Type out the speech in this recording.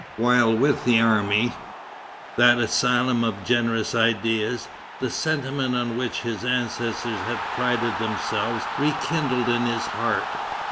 While with the army, that asylum of generous ideas, the sentiments on which his ancestors had prided themselves rekindled in his heart.